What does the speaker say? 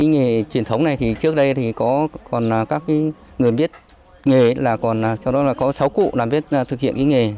nghề truyền thống này trước đây còn có sáu cụ làm biết thực hiện nghề